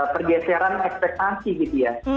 pergeseran ekspektasi gitu ya